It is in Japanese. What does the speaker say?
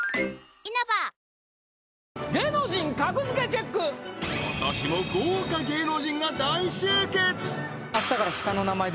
今年も豪華芸能人が大集結！